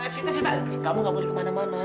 sita sita kamu gak boleh kemana mana